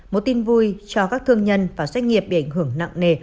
một tin vui cho các thương nhân và doanh nghiệp bị ảnh hưởng nặng nề